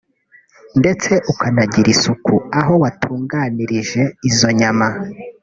ndetse ukanagirira isuku aho watunganirije izo nyama